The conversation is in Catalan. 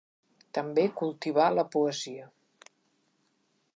També cultivà la poesia.